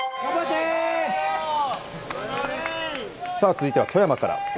続いては富山から。